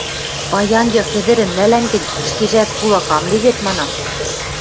– Паян йых ӹдӹрӹм нӓлӓм гӹнь, ӹшкежӓт кулак ам ли вет, – манам.